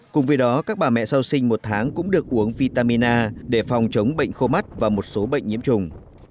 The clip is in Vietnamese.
cùng với đó các bà mẹ sau sinh một tháng cũng được uống vitamin a để phòng chống bệnh khô mắt và một số bệnh nhiễm trùng